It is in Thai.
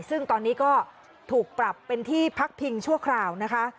ซึ่งตอนนี้ก็ถูกปรับเป็นที่พักพิงชั่วคราวนะคะ